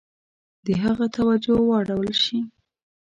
د هغه توجه واړول شي.